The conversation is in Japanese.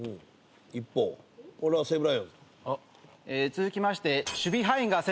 続きまして。